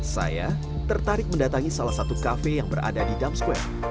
saya tertarik mendatangi salah satu kafe yang berada di dump squad